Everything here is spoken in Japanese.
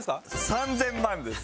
３０００万です。